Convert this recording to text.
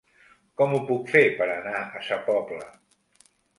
Com ho puc fer per anar a Sa Pobla?